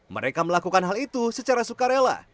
mereka melakukan hal itu secara sukarela